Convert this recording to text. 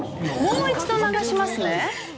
もう一度流しますね。